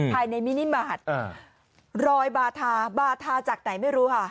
มินิมาตรรอยบาธาบาทาจากไหนไม่รู้ค่ะ